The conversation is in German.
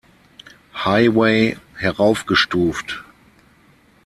Highway heraufgestuft.